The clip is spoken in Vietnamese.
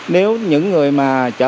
nếu những người mà chở